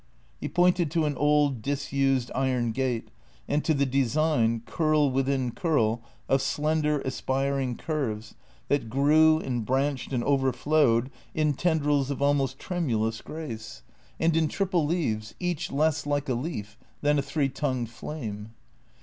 He pointed to an old, disused iron gate, and to the design, curl within curl of slender, aspiring curves, that grew and branched and overflowed, in tendrils of almost tremulous grace, 316 THE CEEATORS and in triple leaves, each less like a leaf than a three tongued flame.